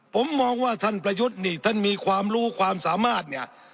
ผมมองว่าท่านประยุทธ์นี่ท่านมีความรู้ความสามารถเนี่ย